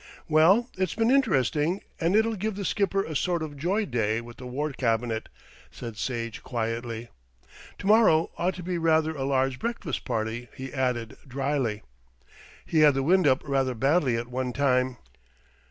"Well, it's been interesting, and it'll give the Skipper a sort of joy day with the War Cabinet," said Sage quietly. "To morrow ought to be rather a large breakfast party," he added drily. "He had the wind up rather badly at one time."